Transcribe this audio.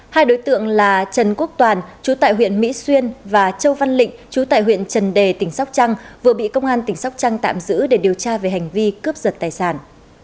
hai đối tượng là trần quốc toàn chú tại huyện mỹ xuyên và châu văn chú tại huyện trần đề tỉnh sóc trăng vừa bị công an tỉnh sóc trăng tạm giữ để điều tra về hành vi cướp giật tài sản